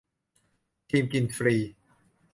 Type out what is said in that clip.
ทีมกินฟรี